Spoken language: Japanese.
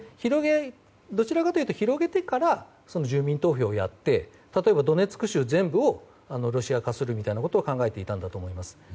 どちらかというと広げてから住民投票をやって例えば、ドネツク州全部をロシア化するみたいなことを考えていたと思います。